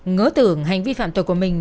ngớ tưởng hành vi phạm tội của mình